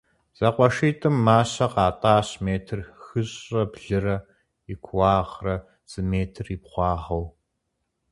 Зэкъуэшитӏым мащэ къатӏащ метр хыщӏрэ блырэ и кууагърэ зы метр и бгъуагъыу.